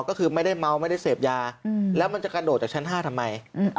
ก็คือไม่ได้เมาไม่ได้เสพยาแล้วมันจะกระโดดจากชั้น๕ทำไม